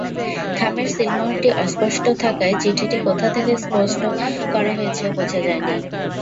খামের সিলমোহরটি অস্পষ্ট থাকায় চিঠিটি কোথা থেকে পোস্ট করা হয়েছে, বোঝা যায়নি।